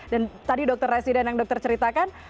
dan tadi dokter residen yang dokter ceritakan